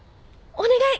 お願い！